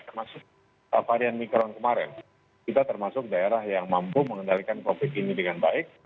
termasuk varian omikron kemarin kita termasuk daerah yang mampu mengendalikan covid ini dengan baik